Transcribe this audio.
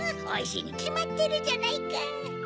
おいしいにきまってるじゃないか。